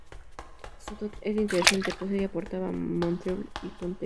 Su dote era interesante pues ella aportaba Montreuil y Ponthieu.